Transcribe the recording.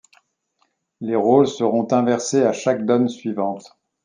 Les rôles seront inversés à chaque donne suivante.